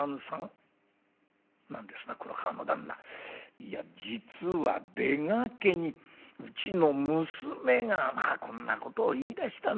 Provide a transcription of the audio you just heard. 「いや実は出がけにうちの娘がまあこんなことを言いだしたんでございます。